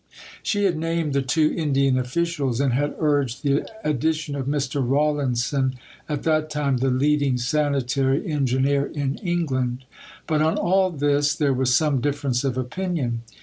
She had named the two Indian officials, and had urged the addition of Mr. Rawlinson, at that time the leading sanitary engineer in England. But on all this there was some difference of opinion.